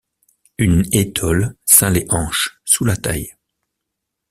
Une étole ceint les hanches, sous la taille.